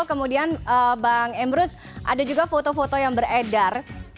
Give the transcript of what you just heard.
kemudian bang emrus ada juga foto foto yang beredar